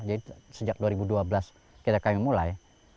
jadi sejak dua ribu dua belas kita mulai